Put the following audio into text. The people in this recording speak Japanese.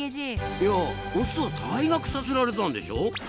いやオスは退学させられたんでしょ？